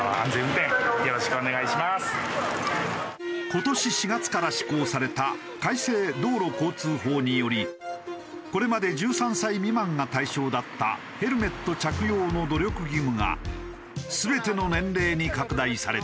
今年４月から施行された改正道路交通法によりこれまで１３歳未満が対象だったヘルメット着用の努力義務が全ての年齢に拡大された。